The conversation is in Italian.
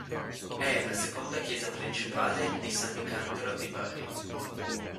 È la seconda chiesa principale di Sannicandro di Bari.